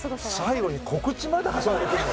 最後に告知まで挟んでくるの？